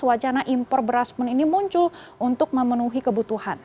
wacana impor beras pun ini muncul untuk memenuhi kebutuhan